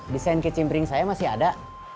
desain kecimbring saya masih ada